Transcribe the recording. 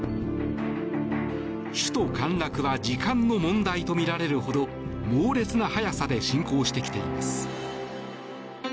首都陥落は時間の問題とみられるほど猛烈な早さで侵攻してきています。